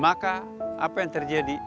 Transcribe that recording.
maka apa yang terjadi